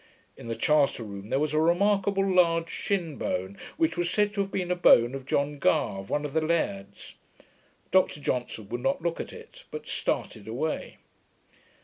In the charter room there was a remarkable large shin bone; which was said to have been a bone of John Garve, one of the lairds. Dr Johnson would not look at it; but started away.